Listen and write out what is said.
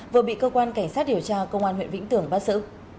vừa bị cơ quan cảnh sát điều tra công an huyện vĩnh tường bắt giữ